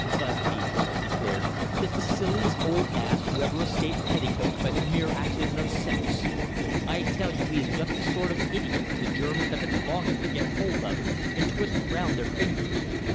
"Busby," Wyatt declared, "is the silliest old ass who ever escaped petticoats by the mere accident of sex. I tell you he is just the sort of idiot the Germans have been longing to get hold of and twist round their fingers.